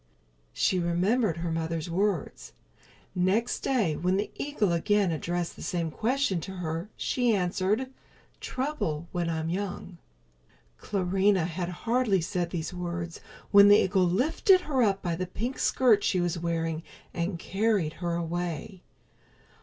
She remembered her mother's words. Next day when the eagle again addressed the same question to her, she answered: "Trouble when I'm young." Clarinha had hardly said these words when the eagle lifted her up by the pink skirt she was wearing and carried her away.